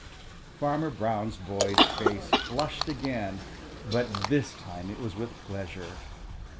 Fanner Brown's boy's face flushed again, but this time it was with pleasure.